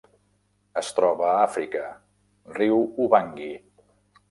Es troba a Àfrica: riu Ubangui.